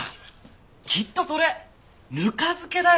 きっとそれぬか漬けだよ！